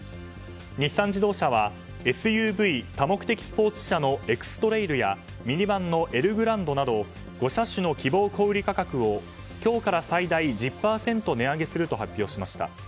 日産自動車はＳＵＶ・多目的スポーツ車のエクストレイルやミニバンのエルグランドなど５車種の希望小売価格を今日から最大１０％値上げすると発表しました。